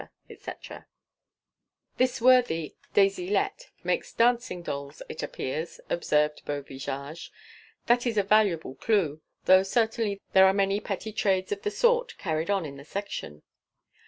etc...."_ "This worthy des Ilettes makes dancing dolls, it appears," observed Beauvisage, "that is a valuable clue ... though certainly there are many petty trades of the sort carried on in the Section."